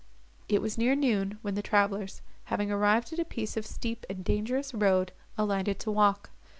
It was near noon, when the travellers, having arrived at a piece of steep and dangerous road, alighted to walk.